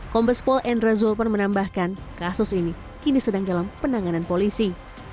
kombes paul n razzulper menambahkan kasus ini kini sedang dalam penanganan polisi